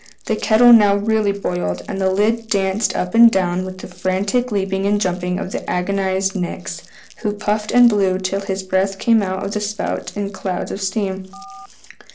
The kettle now really boiled, and the lid danced up and down with the frantic leaping and jumping of the agonized Nix, who puffed and blew till his breath came out of the spout in clouds of steam.